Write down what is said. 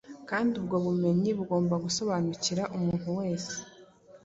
kandi ubwo bumenyi bugomba gusobanukira umuntu wese